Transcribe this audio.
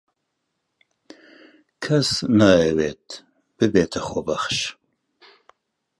کەس نایەوێت ببێتە خۆبەخش.